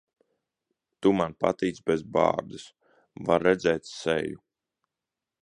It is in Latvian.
Tu man patīc bez bārdas. Var redzēt seju.